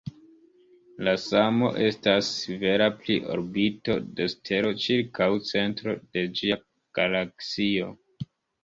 La samo estas vera pri orbito de stelo ĉirkaŭ centro de ĝia galaksio.